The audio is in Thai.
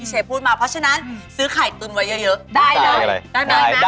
โหพูดเลยว่า